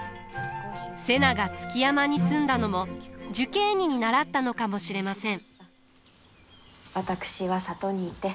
瀬名が築山に住んだのも寿桂尼に倣ったのかもしれません。